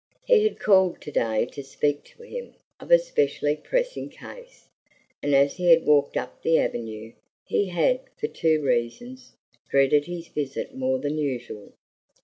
He had called to day to speak to him of a specially pressing case, and as he had walked up the avenue, he had, for two reasons, dreaded his visit more than usual.